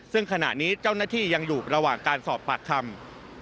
ซึ่งขณะนี้เจ้าหน้าที่ยังอยู่ระหว่างการสอบปากคำ